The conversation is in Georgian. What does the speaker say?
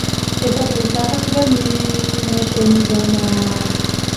შესასვლელი სამხრეთიდან, მინაშენიდანაა.